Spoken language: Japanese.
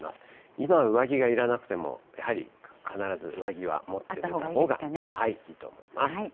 今は上着がいらなくても、やはり必ず上着は持ってたほうがいいと思います。